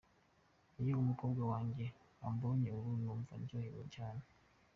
"Iyo umukobwa wanje ambonye ubu, numva ndyohewe cane.